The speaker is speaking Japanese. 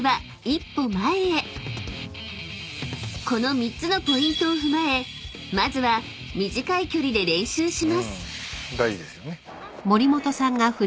［この３つのポイントを踏まえまずは短い距離で練習します］